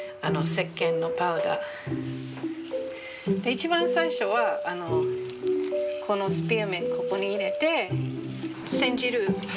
一番最初はこのスペアミントここに入れて煎じる。